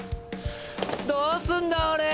どうすんだオレ！